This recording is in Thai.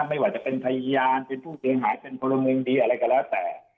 ไม่ว่าจะเป็นพยานหายเป็นพลเมืองดีอะไรก็แล้วแต่